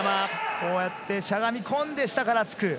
こうやってしゃがみこんで下から突く。